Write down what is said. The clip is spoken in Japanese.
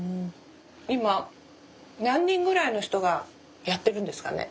今何人ぐらいの人がやってるんですかね？